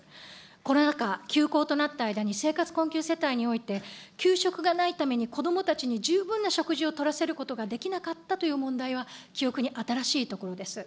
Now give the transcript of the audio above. コロナ禍、休校となった中において、生活困窮世帯において、給食がないために、こどもたちに十分な食事をとらせることができなかったという問題は記憶に新しいところです。